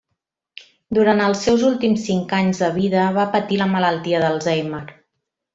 Durant els seus últims cinc anys de vida va patir la malaltia d'Alzheimer.